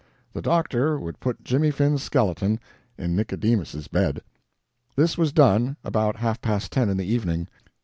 The doctor would put Jimmy Finn's skeleton in Nicodemus's bed! This was done about half past ten in the evening.